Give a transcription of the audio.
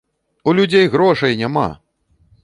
У людзей грошай няма!